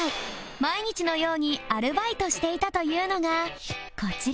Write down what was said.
毎日のようにアルバイトしていたというのがこちら